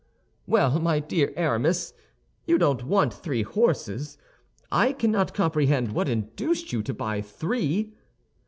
"Well, my dear Aramis, you don't want three horses? I cannot comprehend what induced you to buy three!"